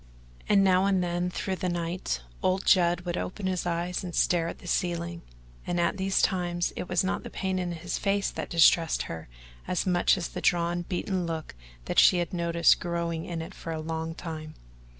And now and then through the night old Judd would open his eyes and stare at the ceiling, and at these times it was not the pain in his face that distressed her as much as the drawn beaten look that she had noticed growing in it for a long time.